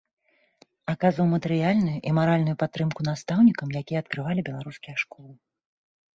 Аказваў матэрыяльную і маральную падтрымку настаўнікам, якія адкрывалі беларускія школы.